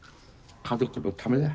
家族のためだよ。